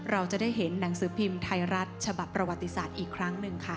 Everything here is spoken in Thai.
เราจะได้เห็นหนังสือพิมพ์ไทยรัฐฉบับประวัติศาสตร์อีกครั้งหนึ่งค่ะ